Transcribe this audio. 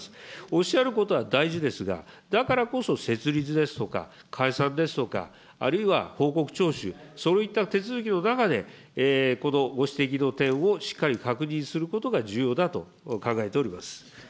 おっしゃることは大事ですが、だからこそ、設立ですとか、解散ですとか、あるいは報告徴収、そういった手続きの中で、このご指摘の点をしっかり確認することが重要だと考えております。